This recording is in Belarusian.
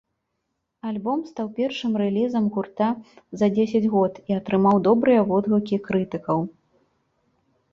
Альбом стаў першым рэлізам гурта за дзесяць год і атрымаў добрыя водгукі крытыкаў.